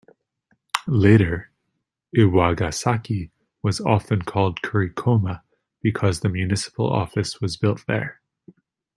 Later Iwagasaki was often called Kurikoma because the municipal office was built there.